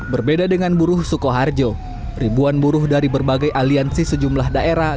berbeda dengan buruh sukoharjo ribuan buruh dari berbagai aliansi sejumlah daerah